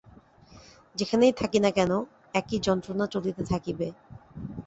যেখানেই থাকি না কেন, একই যন্ত্রণা চলিতে থাকিবে।